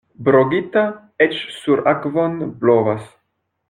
Brogita eĉ sur akvon blovas.